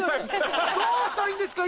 どうしたらいいんですか？